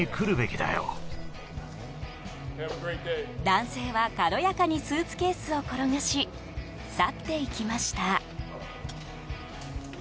男性は軽やかにスーツケースを転がし去っていきました。